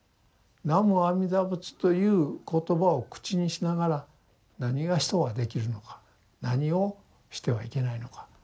南無阿弥陀仏という言葉を口にしながら何が人はできるのか何をしてはいけないのか。